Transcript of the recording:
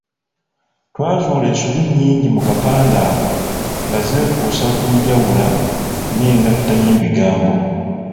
Twazuula ensobi nnyingi mu kapande ako nga zeekuusa ku njawula n'engatta y'ebigambo.